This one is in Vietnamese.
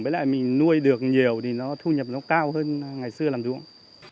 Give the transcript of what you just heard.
với lại mình nuôi được nhiều thì nó thu nhập nó cao hơn ngày xưa làm ruộng